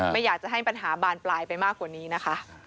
ไม่อยากจะให้ปัญหาบานปลายไปมากกว่านี้นะคะ